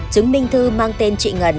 chứng minh thư mang tên chị ngân